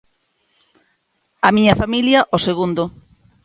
A miña familia o segundo.